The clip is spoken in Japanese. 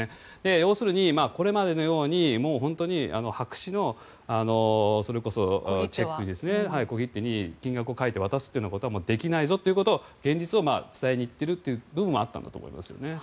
要するにこれまでのように白紙のそれこそ小切手に金額を書いて渡すというようなことはできないぞということを、現実を伝えにいっている部分はあったんだと思います。